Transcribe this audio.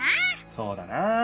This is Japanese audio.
そうだな！